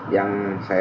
yang tujuan saya adalah